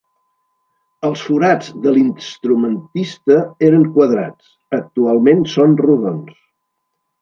Els forats de l'instrumentista eren quadrats, actualment són rodons.